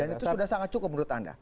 itu sudah sangat cukup menurut anda